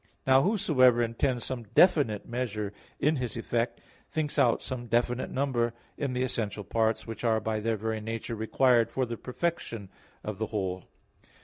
Now whosoever intends some definite measure in his effect thinks out some definite number in the essential parts, which are by their very nature required for the perfection of the whole.